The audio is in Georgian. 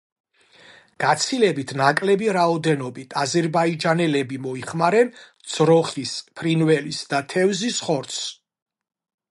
გაცილებით ნაკლები რაოდენობით, აზერბაიჯანელები მოიხმარენ ძროხის, ფრინველის და თევზის ხორცს.